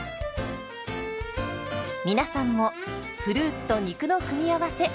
皆さんもフルーツと肉の組み合わせ